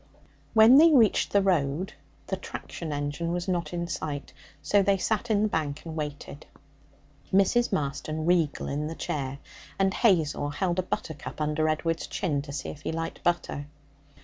When they reached the road, the traction engine was not in sight, so they sat in the bank and waited, Mrs. Marston regal in the chair; and Hazel held a buttercup under Edward's chin to see if he liked butter.